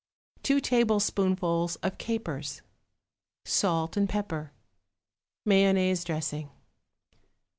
2 tablespoonfuls of capers. Salt and pepper. Mayonnaise dressing.